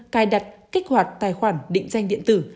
cài đặt kích hoạt tài khoản định danh điện tử